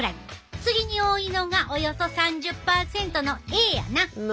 次に多いのがおよそ３０％のＡやな。